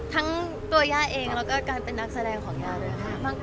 ทั้งตัวย่าเองแล้วก็การเป็นนักแสดงของย่าเลยค่ะ